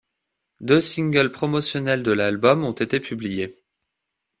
Deux singles promotionnels de l'album ont été publiés.